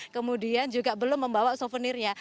kemudian juga belum membawa souvenirnya